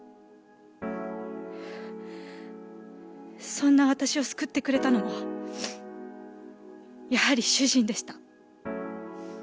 そんな私を救ってくれたのもやはり主人でした。